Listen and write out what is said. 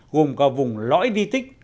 gồm cả vùng lõi di tích